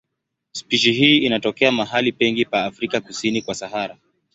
Spishi hii inatokea mahali pengi pa Afrika kusini kwa Sahara.